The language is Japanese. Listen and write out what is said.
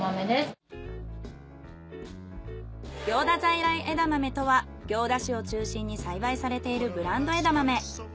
行田在来枝豆とは行田市を中心に栽培されているブランド枝豆。